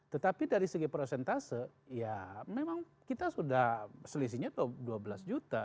tetapi dari segi prosentase ya memang kita sudah selisihnya dua belas juta